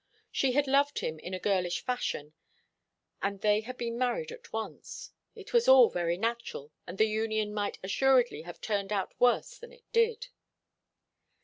She had loved him in a girlish fashion, and they had been married at once. It was all very natural, and the union might assuredly have turned out worse than it did.